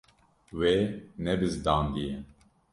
Wê nebizdandiye.